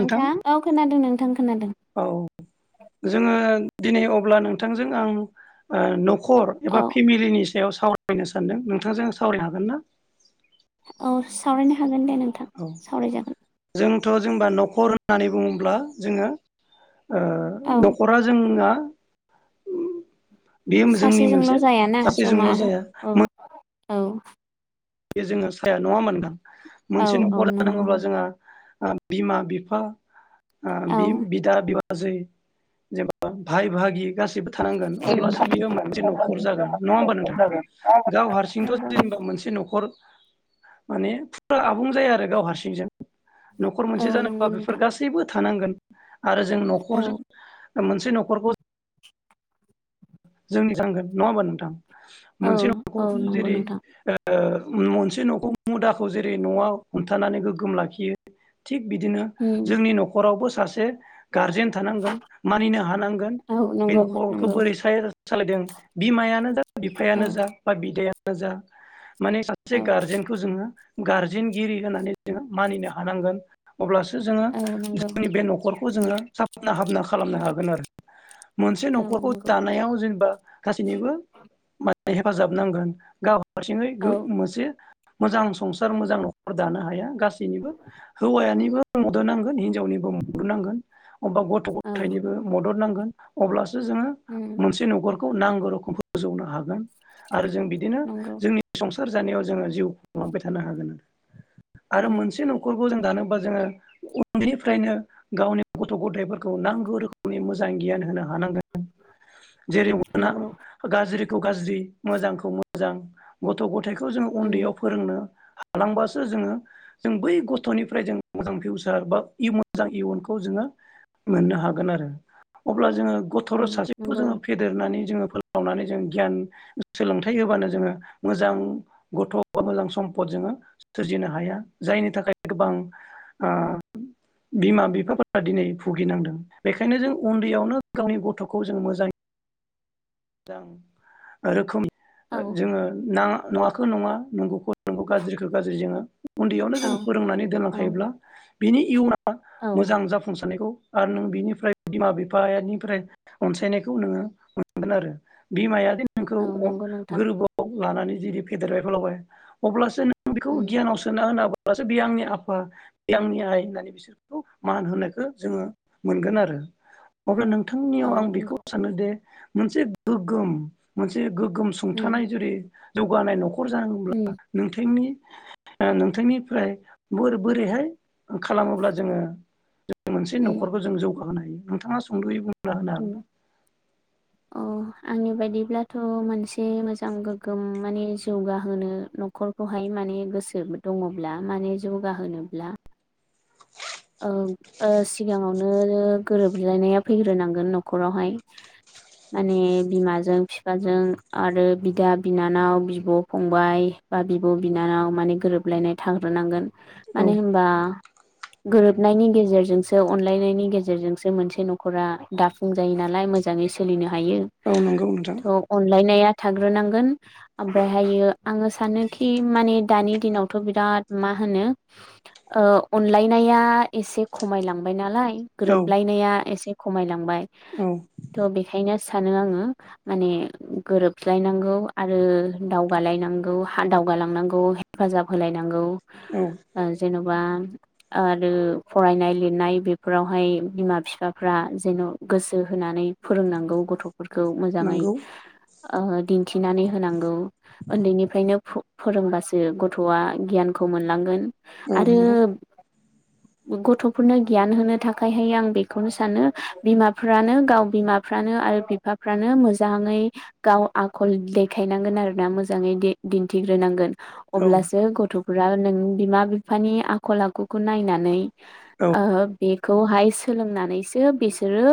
नोंथां औ खोनादों नोंथां खोनादों औ जोङो दिनै अब्ला नोंथांजों आं न- खर औ एबा फेमिलिनि सायाव सावरायनो सानदों नोंथांजों सावरायनो हागोन ना। औ सावरायनो हागोन हागोन दे नोंथां सावरायजागोन। थ' जेनबा न'खर होननानै बुङोब्ला जोङो औ न'खरा जोंना उ बेयो जोंनि सासेजोंल' मोनसे जायाना जमा सासेजोंल' जाया औ औ बे जोङो साया नङा होनबा नोंथां औ मोनसे औ न'खर नंगौ जानांगौब्ला जोंहा बिमा बिफा औ बिदा बिब' बाजै जेबा भाय भागि गासैसिबो थानांगोन अब्लासो बियो मोनसे न'खर जागोन नङा होमबा नोंथां गाव हारसिंथ' जेनेबा मोनसे न'खर- न'खर माने फुरा आबुं जाया आरो गाव हारसिंजों न'खर औ मोनसे जानोबा नंगौ बेफोर नोंथां गासैबो थानांगोन। आरो जों औ न'खरजों मोनसे नखरखौ जोंनि थांगोन नङा होमबा नोंथां औ मोनसे नखरखौ औ नंगौ जेरै नोंथां ओ ओ मोनसे नखौ मुदाखौ जेरै नआव हमथानानै गोग्गोम लाखियो थिग बिदिनो उम जोंनि न'खरावबो सासे गारजेन थानांगोन मानिनो हानांगोन औ बे नंगौ न'खरखौ नंगौ बोरै [unintelligible] सालायदों बिमायानो जा बिफायानो औ जा बा बिदायानो जा माने सासे औ गारजेनखौ जोङो गारजेनगिरि होननानै जोङो मानिनो हानांगोन। अब्लासो जोङो औ नंगौ जोंनि बे नखरखौ उम जोङो [unintelligible] हाबना खालामनो हागोन आरो मोनसे औ नखरखौ नंगौ दानायाव गासिनिबो हेफाजाब नांगोन गाव हारसिङै औ गो मोनसे मोजां संसार मोजां नखर दानो हाया। गासैनिबो हौवायानिबो मदद नांगोन हिनजावनिबो मदद नांगोन अबा औ गथ-गथायनिबो मदद नांगौ अब्लासो जों उम मोनसे नखर खौ नांगौ रोखोम फोजौनो हागोन आरो जों बिदिनो नंगौ जोंनि संसा सार जानायाव जोङो जिउ खुंलांबाय थानो हागोन नोंथां। आरो उम मोनसे नखरखौ जों दानो बा जोङो उन्दैनिफ्रायनो गावनि गथ गथायफोरखौ नांगौ रोखोमनि मोजां गियान होनो हानांगोन जेरै नंगौ [unintelligible] गाज्रि गाज्रि मोजांखौ मोजां गथ गथायखौ जोङो उम उन्दैयाव फोरोंनो हालांबासो जोङो जों बै गथनिफ्राय जों मोजां फिउसार बा [unintelligible] मोजां इयुनखौ जोङो मोननो हागोन आरो अब्ला जोङो गथल उम सासे बखौ नंगौ जोङो फेदेरना नानै जोङो फोलावनानै जो ग्यान सोलोंथाइ होबानो जोङो मोजां गथ' मोजां समफद जोङो सोरजिनो हाया जायनि थाखाय गोबां ओ बिमा बिफाफोरा दिनै बुगिनांदों बेखायनो जों उन्दैयावनो गावनि गथ'खौ खौ जों मोजां मोजां रोखोम औ जोङो नाङ नङाखो नङा नंगौखौ फोरों गाज्रिखौ गाज्रि जोङो उन्दैयावनो औ जोंङो फोरोंनानै औ दोनलांखायोब्ला बिनि इयुना औ मोजां जाफुंसारनायखौ आरो नों बिनिफ्राय बिमा बिफानिफ्राय अनसायनायखौ नोङो मोनगोन आरो औ नोंखौ नंगौ नोंथां गोरबोआव लानानै बिदि फेदेरबाय फोलावबाय अब्लासो नों आं बेखौ उम गियानाव सोना होनाब्ला हसो बे आंनि आफा बे आंनि आइ होननानै बिसोरखौ मान होनायखौ जोङो मोनगोन आरो अब्ला नोंथांनियाव आं औ बेखौ नंगौ सानोदिे मोनसे गोग्गोम मोनसे गोग गोम उम सुंथानाय जुदि जौगानाय नख नखर जानब्ला उम नोंथांनि नोंथांनिफ्राय बोर-बोरैहाय खालामोब्ला जोङो जों मोनसे उम न'खरखौ जों जौगाहोनो हायो नोंथाङा सुंद'यै बुं ना होनो हागोनना अह आंनि बायदिब्लाथ' मोनसे मोजां गोग्गोम माने जौगाहोनो न'खरखौहाय माने गोसो दङब्ला माने जौगाहोनोब्ला औ ओ सिगाङावनो गोरोबलायनाया फैग्रोनांगोन न'खरावहाय माने बिमाजों बिफाजों आरो बिदा बिनानाव बिब' फंबाय बा बिब' बिनानाव माने गोरोबलायनाय थाग्रोनांगोन मानो होमबा गोरोबनायनि गेजेरजोंसो अनलायनायनि गेजेरजोंसो मोनसे न'खरा दाफुं जायो नालाय मोजाङै सोलिनो हायो हागोन ना? थ' अनलायनाया थाग्रोनांगोन ओमफ्रायहायो आङो सानोखि माने दानि दिनावथ' बिराद मा होनो ओ अनलाइन नाया एसे खमायलांबाय नालाय औ गोरोबलायनाया एसे खमायलांबाय। औ थ' बेखायनो सानो आङो माने गोरोबस्लायनांगौ आरो दावगालायनांगौ दावगालांनांगौ हेफाजाब होलायनांगौ। ओ जेन'बा बा आरो फरायनाय लिरनाय बेफोरावहाय बिमा बिफाफ्रा जेन' गोसो होनानै फोरोंनांगौ गथ' फोरखौ मोजाङै नंगौ ओ दिन्थिनानै होनांगौ उन्दैनिफ्रायनो फो फोरोंबासो गथ'आ गियानखौ मोनलांगोन। आरो नोंथां गथ'फोरनो गियान होनो थाखायहाय आं बेखौनो सानो बिमाफ्रानो गाव बिमाफ्रानो आरो बिफाफ्रानो मोजांङै गाव आखल देखायनांगोन आरोना मोजांङै दिन्थिग्रोनांगोन। औ अब्लासो गथ' [unintelligible] नों बिमा बिफानि आखल आखु खौ नायनानै औ ओ बेखौहाय सोलोंनानैसो बिसोरो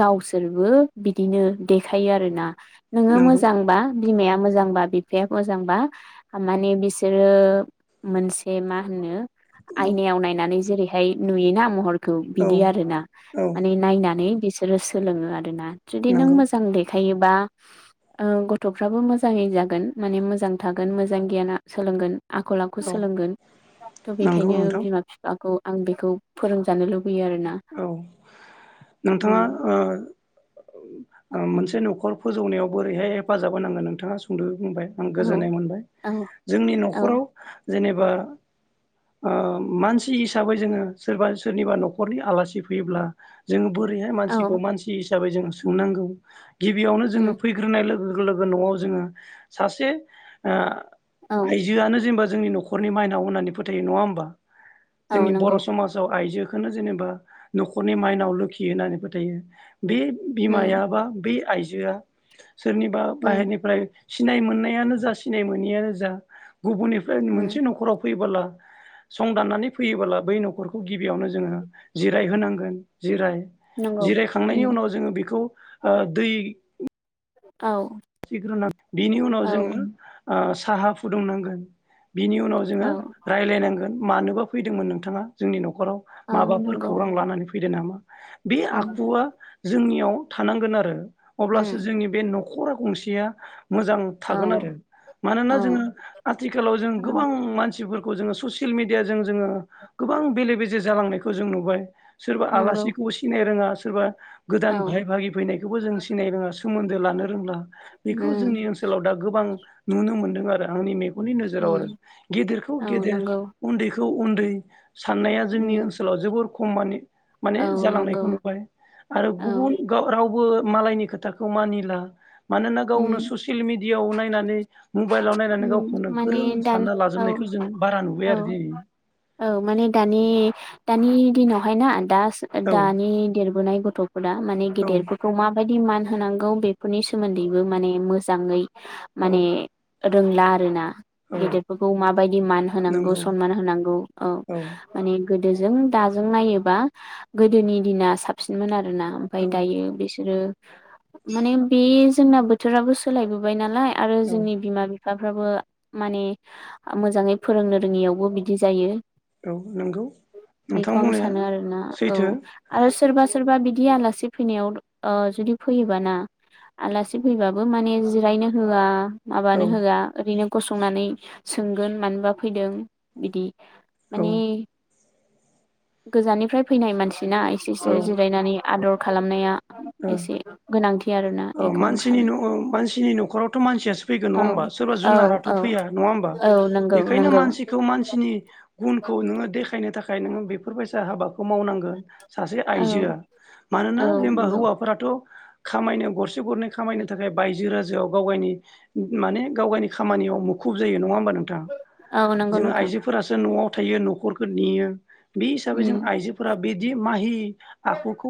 गावसोरबो बिदिनो देखायो आरो ना नोंङो नंगौ मोजांबा बिमाया मोजांबा बिफाया मोजांबा माने बिसोरो मोनसे मा होनो औ नानै जेरैहाय नुयोना महर खौ बिदि आरोना औ नंगौ औ माने नायनानै बिसोरो सोलोंङो आरो ना जुदि नों नंगौ मोजां देखा योबा ओ गथ'फ्राबो मोजांङै जागोन माने मोजां थागोन मोजांआ गियाना सोलोंगोन। आखल आखु औ सोलोंगोन थ' नंगौ बेखायनो नोंथां बिफाखौ आं बेखौ फोरोंजानो लु औ नोंथांङा उम ओ मोनसे न'खर फोजौनायाव बोरैहाय हेफाजाब होनांगोन नोंथांङा सुद' खुबुंबाय आं औ गोजोननाय मोनबाय औ जोंनि औ न'खराव जेनेबा ओ मानसि हिसाबै जोंङो सोरबा सोरनिबा न'खरनि आलासि फैयोब्ला जों बोरैहाय मानसिखौ औ मानसि हि हिसाबै जों सोंनांगौ गिबियावनो जोङो उम फैग्रोनाय लो लोगो-लोगो न'आव जोंङो सासे ओ औ आइजोआनो जेनबा जोंनि न'खरनि माइनाव होननानै फोथायो नंङा होमबा। औ जोंनि बर' नंगौ समाजाव आइजो बेखौनो जेनेबा न'खरनि माइनाव लोखि होननानै फोथायो। बे बिमाया उम बा बे आइज जोआ सोरनिबा उम बाहेरनिफ्राय सिनाय मोननाय नियानो जा सिनाय मोनैआनो जा गुबुननिफ्राय उम मोनसे न'खराव फैबोला संदाननानै फैयोबोला बै न'खरखौ गिबियावनो जोङो जिराय होनांगोन जिराय। नंगौ जिरायखांनायनि उम उनाव जोङो बेखौ ओ दै औ [unintelligible] बिनि उनाव औ जोङो ओ साहा फुदुंनांगोन। बिनि उनाव जोङो औ रायज्लायनांगोन। मानोबा फैदोंमोन नोंथाङा जोंनि न' खराव औ माबाफोर नंगौ खौरां लानानैै फैदो नामा। बे उम आखुवा जोंनियाव थानांगोन आरो। अब्लासो उम जोंनि बे न' खर गंसेया मोजां औ थागोन आरो मानोना औ जोङो आथिखालाव जों औ गोबां मानसिफोर खौ जोङो ससियेल मिडिया जों जोङो गोबां बेले बेजे जालांनायखौ जों नुबाय। सोरबा नंगौ आलासिखौ सिनाय रोङा सोरबा औ गोदान भाय भागि फैनायखौबो जों सिनायनो रोङा सोमोन्दो लानो रोंला। उम बेखौ जोंनि ओनसोलाव दा गोबां आं नुनो मोनदों आरो आंनि मे गननि उम नोजोराव आरो गेदेरखौ औ गेदेर नंगौ उन्दैखौ उन्दै। साननाया उम जोंनि ओनसोलाव जोबोर खमानि माने औ नंगौ जालांनायखौ नुबाय आरो औ गुबुन गाव रावबो मालायनि खोथाखौ मानिला मानोना उम गावनो ससियेल मिडियाआव नायनानै मबाइलाव नायनानै उम गावखौनो माने गोरों दानि सानना औ लाजोबनायखौ जों बारा नुबाय आरो औ दिनै औ माने दानि दानि दिनावहाय ना दा औ दानि देरबोनाय [unintelligible] माने औ गेदेरफोरखौ माबायदि? नि मान होनांगौ बेफोरनि सोमोन्दै बेबो माने मोजाङै माने औ रोंला आरो ना औ गेदरफोरखौ माबायदि मान होनांगौ नंगौ सनमान होनांगौ औ माने गोदोजों दाजों नायोबा गोदोनि दिना साबसिनमोन आरो आरोना ओमफ्राय औ दायो बिसोरो माने बिस जोंना बोथोराबो सोलायबोबाय नालाय आरो औ जोंनि बिमा बिफा बिफाफ्राबो माने मोजाङै फोरोंनो रोङियावबो बिदि जायो। औ नंगौ नोंथां बेखौ आं बुंनाया सानो आरोना औ सैथो आरो सोरबा सोरबा बिदि आलासि फैनायाव ओ जुदि फैयोबाना आलासि फैबाबो माने जिरायनो होआ माबानो औ होआ ओरैनो गसंनानै सोंगोन मानोबा फैदों बिदि माने औ गोजाननिफ्राय फैनाय मानसि बिदिना एसे औ एसे जिरायनानै आदर खालामनाया एसे गोनांथि आरोना ओ बेखौ आं मानसिनि सानो मानसिनि न'खरावथ' मानसियासो फैगोन नङा औ होमबा सोरबा औ जुनाराथ' औ फैया नङा होमबा औ नंगौ बेखायनो नंगौ मानसिखौ मानसिनि गुनखौ नोङो देखायनो थाखाय नोङो बेफोरबायसा हाबाखौ मावनांगोन। सासे औ आइजोआ मानोना औ जों बा नंगौ हौवाफोराथ' खामायनो गरसे गरनै खामायनो थाखाय बायजो राजाआव गाव गावनि माने गाव गावनि खामानियाव मुखुब जायो नङा होमबा नों थां औ नंगौ जों नोंथां आइजोफोरासो न'आव हमथायो न'खरखौ नेयो। बे हिसाबै जों उम आइजोफोरा बिदि माहि आखुखौ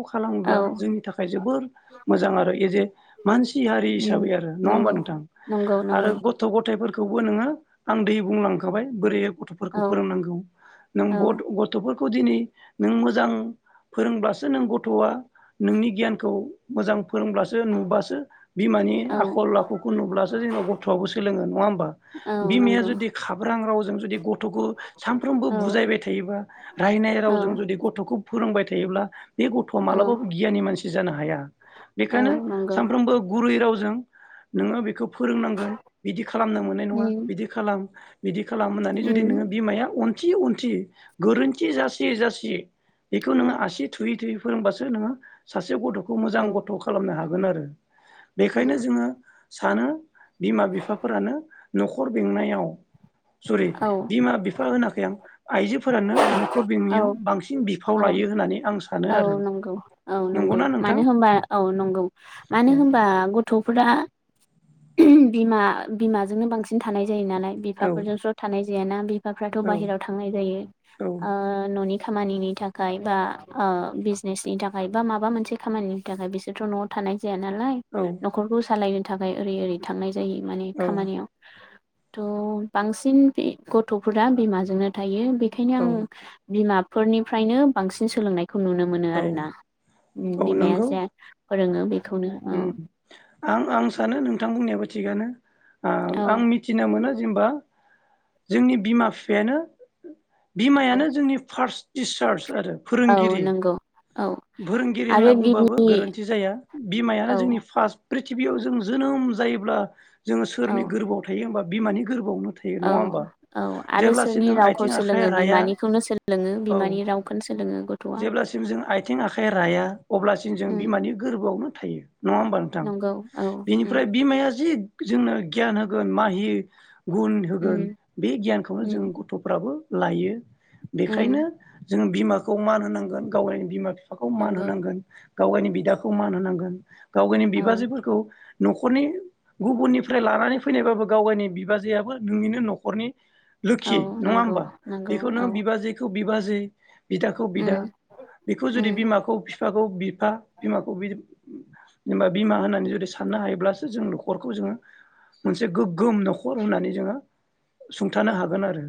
औ खालामोब्ला जों जोबोर मोजां आरो एजे मानसि हारि उम हिसाबै आरो नङा होमबा नंगौ नोंथां? नंगौ आरो नंगौ गथ' गथाय खोबो नोङो आं दै बुंलांखाबाय बोरै गथ'फोरखौ औ फोरोंनांगौ नों बथ औ गथ'फोर खौ दिनै नों मोजां फोरोंब्लासो नों गथ'आ नोंनि गियानखौ मोजां फोरोंब्लासो नुबासो बिमानि औ आखल आखुखौ नुब्लासो जेनेबा गथ'आबो सोलोङो नङा होमबा? औ बिमाया नंगौ जुदि खाब्रां रावजों जुदि गथ'खौ सानफ्रोमबो औ बुजायबाय थायोबा रायनाय रावजों औ जुदि गथ'खौ फोरोंबाय थायोब्ला बे गथ'आ औ मालाबाबो नि मानसि जानो हाया। औ बेखायनो नंगौ सानफ्रोमबो गुरै रावजों जों नोङो बेखौ फोरोंनांगोन बिदि खालामनो मोननाय नङा उम बिदि खालाम। बिदि खालाम होननानै जुदि उम नोङो बिमाया थि उन्थि गोरोन्थि जासि जासि बेखौ नोङो आसि थुयै थुयै फोरोंबासो नोङो सासे गथ'खौ मोजां औ गथ' खालामनो हागोन। हागोन आरो। बेखायनो उम जोङो सानो बिमा बिफाफोरानो न'खर बेंनायाव सरि औ बिमा बिफा होनाखै आं। आइजोफोरानो न'खर बेंनायाव औ बांसिन बिफाव औ लायो होननानै आं सानो औ आरो। नंगौ औ नंगौ नंगौना नोंथां मानो होनबा औ नंगौ मानो औ होनबा गथ'फोरा ओम बिमा बिमाजोंनो बांसिन थानाय जायो नालाय औ बिफाफोरजोंस्र' थानाय जेना बि बिफ्राथ औ बाहेरायाव थांनाय जायो औ आ न'नि खामानिनि थाखाय बा ओ बिजनेसनि थाखाय बा माबा मोनसे खामानिनि थाखाय बिसोरथ न'आव थानाय जाया नालाय न'खरखौ सालायनो थाखाय ओरै ओरै थांनाय जायो माने औ खामानियाव थ' बांसिन बि गथ'फोरा बिमाजोंनो थायो औ खेनायनो आं बिमा फोरनिफ्रायनो बांसिन सोलोंनाय खौ नुनो मोनो औ आरोना औ बिमाया नंगौ जा फोरोङो बे उम आं आं सानो नोंथां बुंनायाबो थिगानो। ओ औ आं मिथिना मोनो जेनेबा जोंनि बिमा बिफायानो औ बिमायानो जोंनि फार्स्ट टिसार्च आरो औ फोरोंगिरि नंगौ औ फोरोंगिरि आरो होनना बुंबाबो गिबि गोरोन्थि जाया बिमायानो जोंनि औ फार्स प्रिथिबियाव जों जोनोम जायोब्ला जोङो औ सोरनि गोरबोआव थायो होमबा बिमानि गोरबोआवनो थायो औ नङा होमबा औ आरो जेब्लासिम सोरनि नों रावखौ आथिं आखाइ सोलोङो राया बिमानिखौनो सोलोङो औ बिमानि रावखोनो सोलोङो गथ आ आखाया राया अब्लासिम जों बिमानि गोरबोआव [unintelligible] थायो नङा होमबा नोंथां नंगौ औ उम बिनिफ्राय बिमाया जि जोंनो गियान होगोन माहि गुन होगोन उम बे गियानखौनो जों उम गथ फ्राबो लायो उम बेखायनो जों बिमाखौ मान होनांगोन गावनि बिमा फिफ बिफाखौ मान नंगौ होनांगोन गावगायनि बिदाखौ मान होनांगोन गावगायनि औ बिबाजैफोरखौ न'खरनि गुबुननिफ्राय लानानै फैनायबाबो गावगावनि बिबाजैयाबो नोंनिनो न'खरनि औ लोखि नङा नंगौ होमबा नंगौ बेखौ औ नोङो बिबाजैखौ बिबाजै बिदाखौ बिदा उम बे जुदि उम बिमाखौ फि। बिफाखौ बिफा बिमाखौ बि जेनबा बिमा होननानै जुदि साननो हायोब्लासो जों न'खरखौ जोङो मोनसे गोग्गोम न'खर होननानै जोङो सुंथानो हागोन आरो।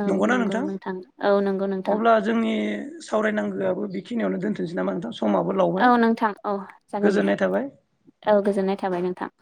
औ नंगौ नोंथां औ नंगौ नोंथां। सावरायनांगोआ। बेखनिनो दोनथोंसै नामा नोंथां। समाबो लावबाय औ नोंथां औ जागोन दे गोजोननाय थाबाय औ गोजोननाय थाबाय नोंथां।